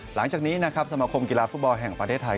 หลังจากนี้นะครับสมคมกีฬาฟุตบอลแห่งประเทศไทย